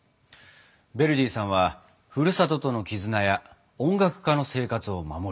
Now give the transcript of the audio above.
ヴェルディさんはふるさととの絆や音楽家の生活を守る。